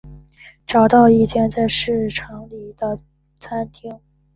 找到一间在市场里面的餐厅